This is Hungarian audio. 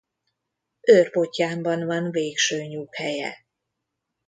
Őrbottyánban van végső nyughelye.